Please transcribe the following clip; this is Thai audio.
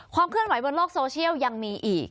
เคลื่อนไหวบนโลกโซเชียลยังมีอีก